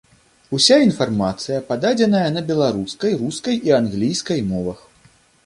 Уся інфармацыя пададзеная на беларускай, рускай і англійскай мовах.